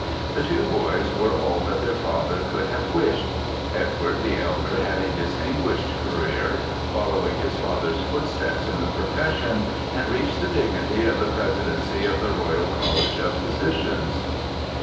The two boys were all that their father could have wished. Edward, the elder, had a distinguished career, following his father's footsteps in the profession and reaching the dignity of the Presidency of the Royal College of Physicians.